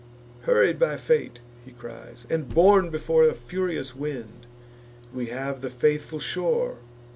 "Hurried by fate," he cries, "and borne before A furious wind, we have the faithful shore.